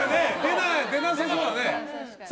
出なさそうだね。